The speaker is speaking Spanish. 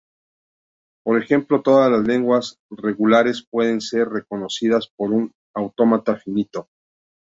Por ejemplo, todas las lenguas regulares pueden ser reconocidas por un autómata finito.